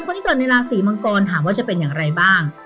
คนที่เกิดในราศีมังกรถามว่าจะเป็นอย่างไรบ้าง